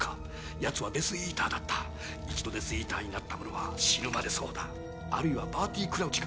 ヤツはデス・イーターだった一度デス・イーターになった者は死ぬまでそうだあるいはバーティ・クラウチか？